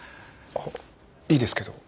あいいですけど。